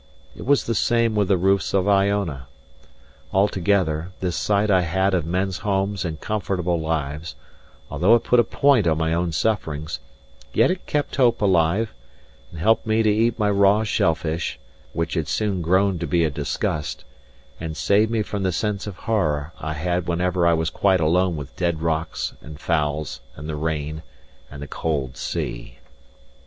It was the same with the roofs of Iona. Altogether, this sight I had of men's homes and comfortable lives, although it put a point on my own sufferings, yet it kept hope alive, and helped me to eat my raw shell fish (which had soon grown to be a disgust), and saved me from the sense of horror I had whenever I was quite alone with dead rocks, and fowls, and the rain, and the cold sea.